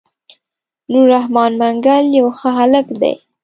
نور رحمن منګل يو ښه هلک دی.